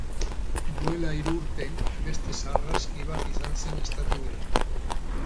Duela hiru urte, beste sarraski bat izan zen estatu berean.